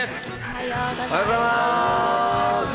おはようございます。